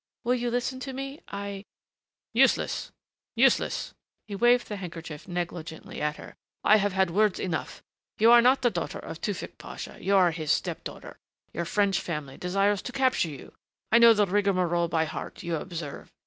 Will you listen to me? I " "Useless, useless." He waved the handkerchief negligently at her. "I have had words enough. You are not the daughter of Tewfick Pasha you are his step daughter your French family desires to capture you I know the rigmarole by heart, you observe.